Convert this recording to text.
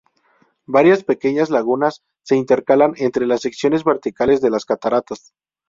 Varias pequeñas lagunas se intercalan entre las secciones verticales de las cataratas.